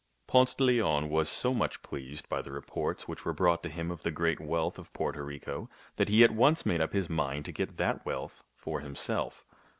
Ponce de Leon was so much pleased by the reports which were brought to him of the great wealth of Porto Rico that he at once made up his mind to get that wealth for himself.